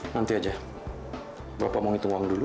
nanti aja bapak mau ngitung uang dulu